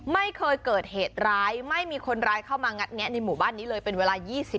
ไม่เคยเกิดเหตุร้ายไม่มีคนร้ายเข้ามางัดแงะในหมู่บ้านนี้เลยเป็นเวลา๒๐